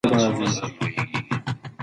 په ښوونځیو کې نوي میتودونه پلي کېږي.